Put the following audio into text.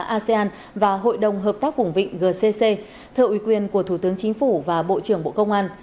asean và hội đồng hợp tác vùng vịnh gcc thợ ủy quyền của thủ tướng chính phủ và bộ trưởng bộ công an